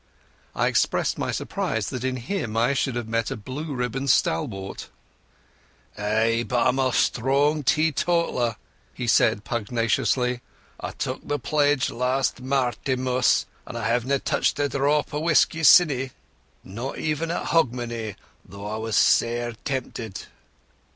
I expressed my surprise that in him I should have met a blue ribbon stalwart. "Ay, but I'm a strong teetotaller," he said pugnaciously. "I took the pledge last Martinmas, and I havena touched a drop o' whisky sinsyne. Not even at Hogmanay, though I was sair temptit."